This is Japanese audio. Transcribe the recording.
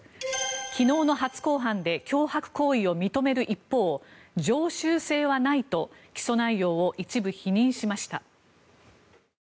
昨日の初公判で脅迫行為を認める一方常習性はないと起訴内容を一部否認しました。